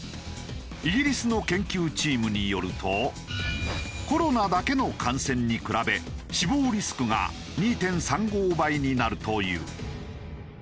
イギリスの研究チームによるとコロナだけの感染に比べ死亡リスクが２．３５倍になるという。